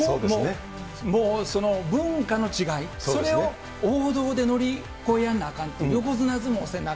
もうその文化の違い、それを王道で乗り越えなあかんと、横綱相撲せなあ